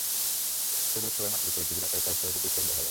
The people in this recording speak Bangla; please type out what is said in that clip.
সেগুলো সবই মাটির ওপরে, ঢিবির আকারে, তাই সহজে দূর থেকেই দেখা যায়।